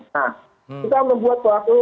nah kita membuat waktu